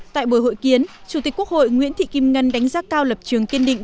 tại buổi hội kiến chủ tịch quốc hội nguyễn thị kim ngân đánh giá cao lập trường kiên định